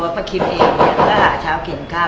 เพราะว่าตัวอภนะคริมเองก็ว่าจ๋าวเข็มข้ำ